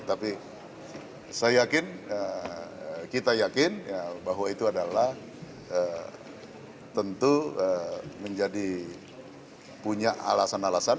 tapi saya yakin kita yakin bahwa itu adalah tentu menjadi punya alasan alasan